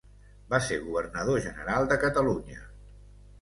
Va ser Governador General de Catalunya.